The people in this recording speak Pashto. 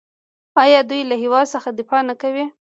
آیا دوی له هیواد څخه دفاع نه کوي؟